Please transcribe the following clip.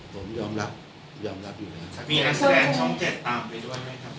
ผมยอมรับยอมรับอยู่แล้วครับมีนักแสดงช่องเจ็ดตามไปด้วยไหมครับ